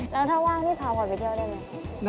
แล้วถ้าว่างนี่พาพรไปเที่ยวได้ไหม